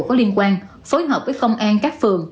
có liên quan phối hợp với công an các phường